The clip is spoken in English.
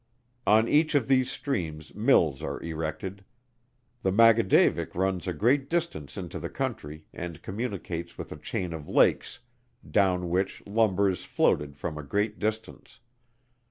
On each of these streams mills are erected. The Maggagaudavick runs a great distance into the country, and communicates with a chain of lakes, down which lumber is floated from a great distance.